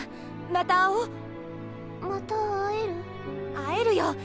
会えるよ！